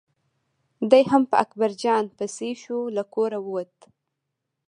دی هم په اکبر جان پسې شو له کوره ووت.